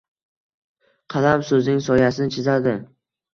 Qalam so’zning soyasini chizadi.